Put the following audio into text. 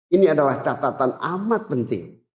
ini adalah catatan amat penting